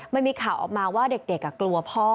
มันมีข่าวออกมาว่าเด็กกลัวพ่อ